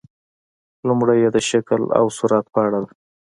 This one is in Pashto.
لومړۍ یې د شکل او صورت په اړه ده.